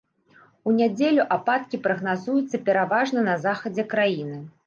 У нядзелю ападкі прагназуюцца пераважна на захадзе краіны.